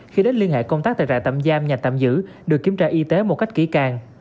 khi đến liên hệ công tác tại trại tạm giam nhà tạm giữ được kiểm tra y tế một cách kỹ càng